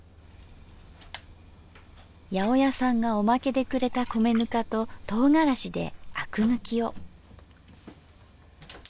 八百屋さんがオマケでくれた米ぬかととうがらしであく抜きを。